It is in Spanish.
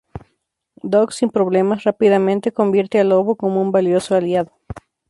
Dox sin problemas rápidamente convierte a Lobo como un valioso aliado.